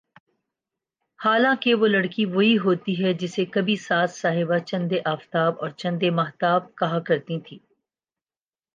حالانکہ وہ لڑکی وہی ہوتی ہے جسے کبھی ساس صاحبہ چندے آفتاب اور چندے ماہتاب کہا کرتی تھیں